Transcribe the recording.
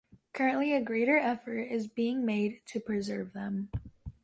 Currently, a greater effort is being made to preserve them.